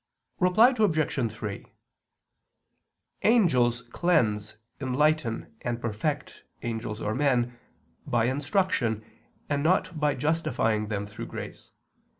Reply Obj. 3: Angels cleanse, enlighten, and perfect angels or men, by instruction, and not by justifying them through grace.